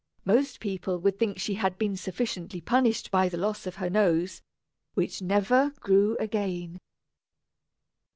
Most people would think she had been sufficiently punished by the loss of her nose, which never grew again!